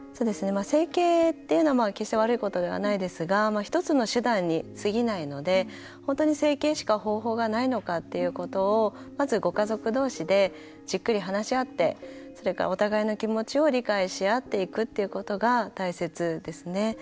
整形っていうのは決して悪いことではないですが１つの手段にすぎないので本当に整形しか方法がないのかっていうことをまず、ご家族同士でじっくり話し合ってそれから、お互いの気持ちを理解し合っていくっていうことが大切ですね。